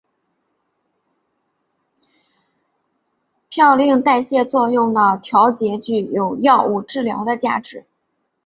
嘌呤代谢作用的调节具有药物治疗的价值。